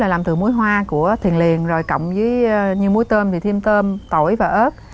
làm từ muối hoa của thiền liền rồi cộng với như muối tôm thì thêm tôm tỏi và ớt